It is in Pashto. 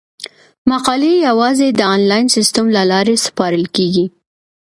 مقالې یوازې د انلاین سیستم له لارې سپارل کیږي.